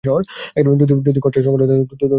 যদি খরচার সঙ্কুলান হয় তো মহামায়ার পুজো করব।